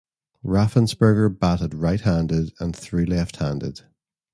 Raffensberger batted right-handed and threw left-handed.